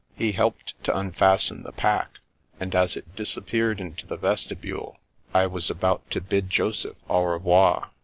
He helped to unfasten the pack, and as it disappeared into tiie vestibule, I was about to bid Joseph au revair.